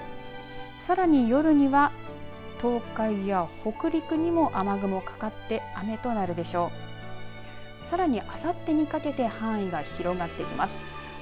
さらに、夜には東海や北陸にも雨雲かかって雨となるでしょう。